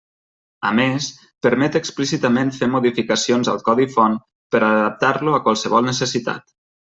A més, permet explícitament fer modificacions al codi font per adaptar-lo a qualsevol necessitat.